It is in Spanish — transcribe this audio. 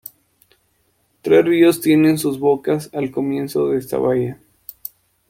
Tres ríos tienen sus bocas al comienzo de esta bahía.